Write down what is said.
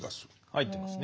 入ってますね。